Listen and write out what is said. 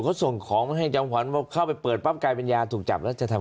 เขาส่งของมาให้จำขวัญว่าเข้าไปเปิดปั๊บกลายเป็นยาถูกจับแล้วจะทำ